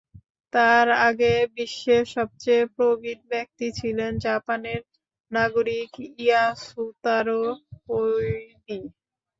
তাঁর আগে বিশ্বের সবচেয়ে প্রবীণ ব্যক্তি ছিলেন জাপানের নাগরিক ইয়াসুতারো কোইদি।